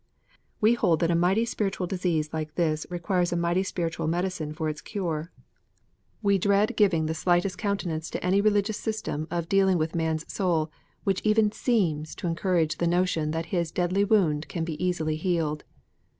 We hold that a mighty spiritual disease like this requires a mighty spiritual medicine for its cure. We dread giving the D EVANGELICAL RELIGION. 5 slightest countenance to any religious system of dealing with man s soul, which even seems to encourage the notion that his deadly wound can be easily healed.